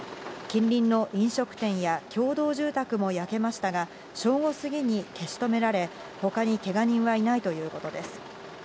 近隣の飲食店や共同住宅も焼けましたが、正午過ぎに消し止められ、ほかにけが人はいないということです。